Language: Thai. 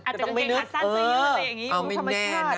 อาจจะเกิดเกิดอัตสรรซะเยอะอะไรอย่างนี้